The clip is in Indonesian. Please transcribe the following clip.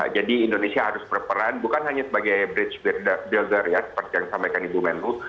jadi indonesia harus berperan bukan hanya sebagai bridge builder ya seperti yang sampaikan ibu menru